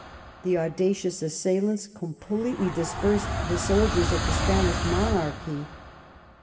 The audacious assailants completely dispersed the soldiers of the Spanish monarchy.